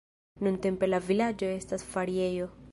Nuntempe la vilaĝo estas feriejo.